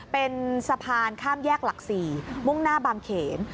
เป็นสะพานข้ามแยกหลัก๔มุ่งหน้าบางเขน